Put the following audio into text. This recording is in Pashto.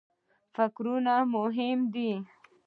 فکرونه مهم دي.